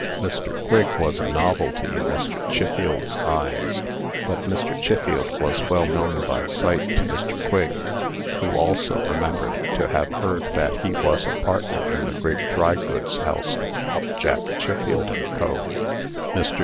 Mr. Quigg was a novelty in Mr. Chiffield's eyes; but Mr. Chiffield was well known by sight to Mr. Quigg, who also remembered to have heard that he was a partner in the great drygoods house of Upjack, Chiffield & Co. Mr.